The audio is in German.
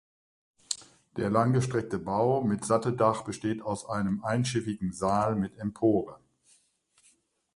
Der langgestreckte Bau mit Satteldach besteht aus einem einschiffigen Saal mit Empore.